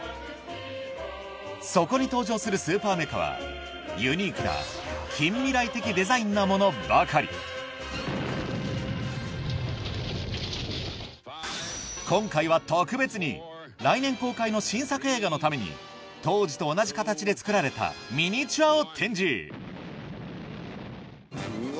そこに登場するスーパーメカはユニークななものばかり今回は特別に来年公開の新作映画のために当時と同じ形で作られたミニチュアを展示うわ！